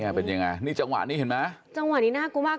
เป็นยังไงนี่จังหวะนี้เห็นไหมจังหวะนี้น่ากลัวมาก